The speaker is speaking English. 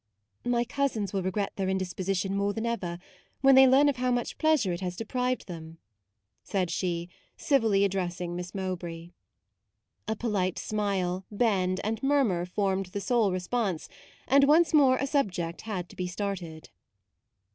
u My cousins will regret their in disposition more than ever, when they learn of how much pleasure it has MAUDE 55 deprived them," said she, civilly ad dressing Miss Mowbray. A polite bend, smile, and murmur formed the sole response, and once more a subject had to be started.